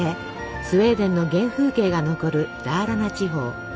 スウェーデンの原風景が残るダーラナ地方。